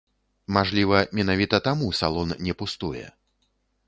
Мажліва, менавіта таму салон не пустуе.